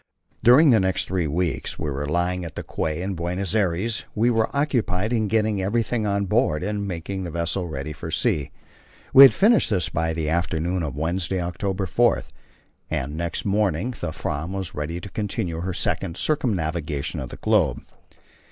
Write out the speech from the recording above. During the three weeks we were lying at the quay in Buenos Aires we were occupied in getting everything on board, and making the vessel ready for sea. We had finished this by the afternoon of Wednesday, October 4, and next morning the Pram was ready to continue her second circumnavigation of the globe.